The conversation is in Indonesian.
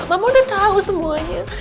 mama udah tau semuanya